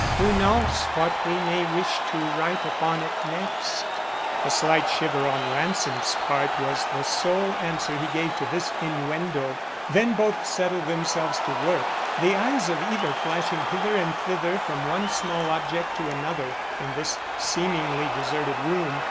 Who knows what we may wish to write upon it next?" A slight shiver on Ransom's part was the sole answer he gave to this innuendo; then both settled themselves to work, the eyes of either flashing hither and thither from one small object to another, in this seemingly deserted room.